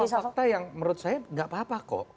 ada beberapa fakta yang menurut saya tidak apa apa kok